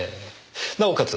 なおかつ